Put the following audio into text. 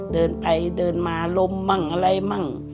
เดินไปเดินมาลมมั่งอะไรมั่ง